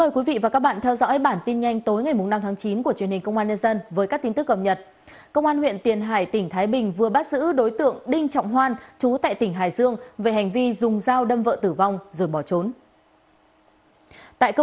các bạn hãy đăng ký kênh để ủng hộ kênh của chúng mình nhé